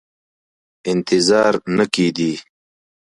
انتظار نه کېدی.